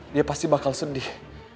dia pasti bakal sedih